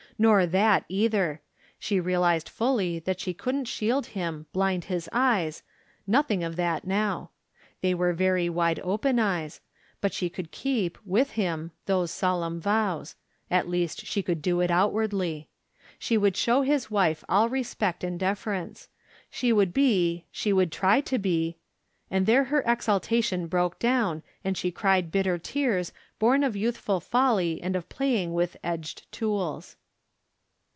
Nor that, either : she re alized fully that she couldn't shield him, bliad his eyes — ^nothing of that now. They were very wide open eyes, but she could keep, with him, those solemn vows — at least she could do it out wardly. She would show his wife all respect and deference. She would be — she would try to be — And there her exaltation broke down, and she cried bitter tears, born of youthful folly and of playing with edged tools.